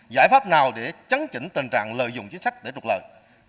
giải pháp nào để chấn chỉnh tình trạng lợi dụng chính sách để trục lợi